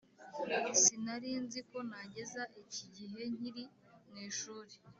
Sinarinziko nageza iki gihe nkiri mw’ishuri